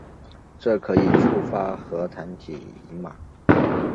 这可以触发核糖体移码。